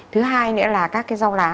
thứ hai nữa là các cái rau lá